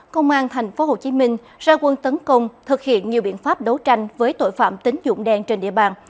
công an tp hcm ra quân tấn công thực hiện nhiều biện pháp đấu tranh với tội phạm tính dụng đen trên địa bàn